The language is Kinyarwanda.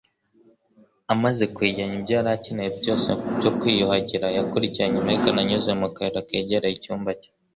Amaze kwegeranya ibyo yari akeneye byose byo kwiyuhagira, yakurikiranye Megan anyuze mu kayira kegereye icyumba cye.